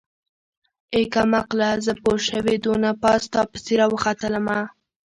ای کمقله زه پوشوې دونه پاس تاپسې راوختلمه.